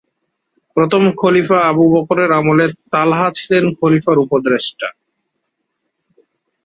প্রথম খলিফা আবু বকরের আমলে তালহা ছিলেন খলিফার উপদেষ্টা।